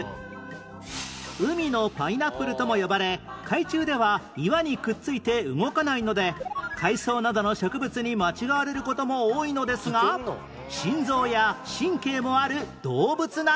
海のパイナップルとも呼ばれ海中では岩にくっついて動かないので海藻などの植物に間違われる事も多いのですが心臓や神経もある動物なんです